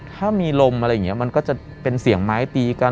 ถ้ามีลมอะไรอย่างนี้มันก็จะเป็นเสียงไม้ตีกัน